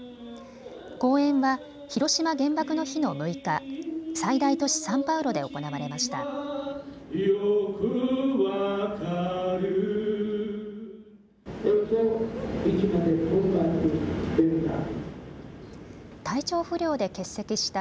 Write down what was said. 公演は広島原爆の日の６日最大都市サンパウロで行われました。